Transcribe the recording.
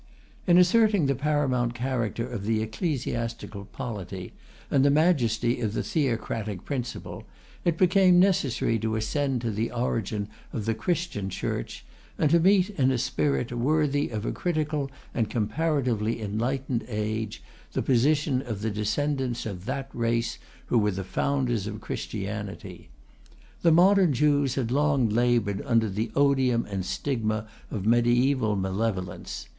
In asserting the paramount character of the ecclesiastical polity and the majesty of the theocratic principle, it became necessary to ascend to the origin of the Christian Church, and to meet in a spirit worthy of a critical and comparatively enlightened age, the position of the descendants of that race who were the founders of Christianity. The modern Jews had long laboured under the odium and stigma of mediaeval malevolence.